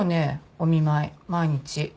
お見舞い毎日。